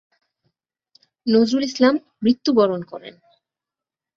নজরুল ইসলাম মৃত্যুবরণ করেন।